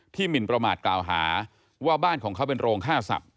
หมินประมาทกล่าวหาว่าบ้านของเขาเป็นโรงฆ่าสัตว